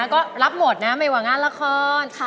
ก็รับหมดนะไม่ว่างานละคร